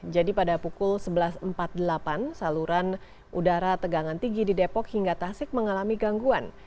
jadi pada pukul sebelas empat puluh delapan saluran udara tegangan tinggi di depok hingga tasik mengalami gangguan